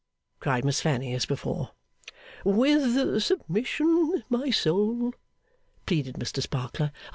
cried Miss Fanny, as before. 'With submission, my soul,' pleaded Mr Sparkler.